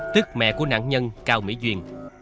tức mẹ của nạn nhân cao mỹ duyên